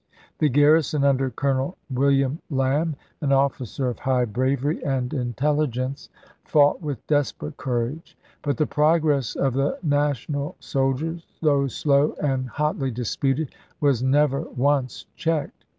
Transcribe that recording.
The garrison under Colonel Will p/429." iam Lamb, an officer of high bravery and intelli gence, fought with desperate courage ; but the progress of the National soldiers, though slow and hotly disputed, was never once checked.